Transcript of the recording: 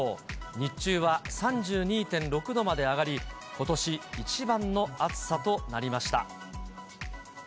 日中は３２．６度まで上がり、ことし一番の暑さとなりました。